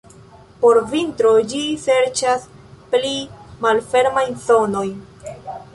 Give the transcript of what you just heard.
Por vintro ĝi serĉas pli malfermajn zonojn.